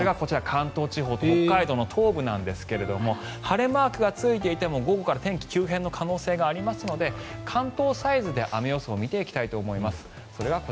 関東地方と北海道東部なんですが晴れマークがついていても午後から天気急変の可能性がありますので関東サイズで雨予想を見ていきたいと思います。